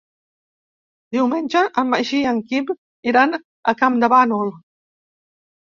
Diumenge en Magí i en Quim iran a Campdevànol.